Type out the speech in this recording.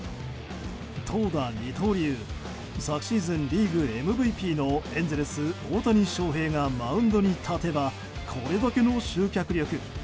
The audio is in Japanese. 投打二刀流昨シーズンリーグＭＶＰのエンゼルス大谷翔平がマウンドに立てばこれだけの集客力。